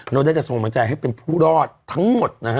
เราได้จะส่งกำลังใจให้เป็นผู้รอดทั้งหมดนะฮะ